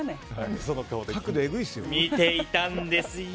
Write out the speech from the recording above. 見ていたんです！